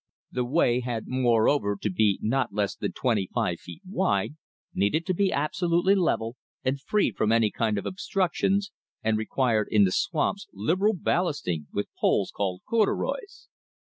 The way had moreover to be not less than twenty five feet wide, needed to be absolutely level and free from any kind of obstructions, and required in the swamps liberal ballasting with poles, called corduroys.